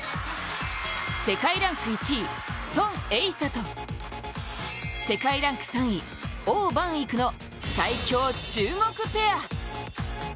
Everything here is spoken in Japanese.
世界ランク１位、孫エイ莎と世界ランク３位王曼イクの最強中国ペア。